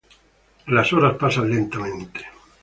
Las horas pasan lentamente.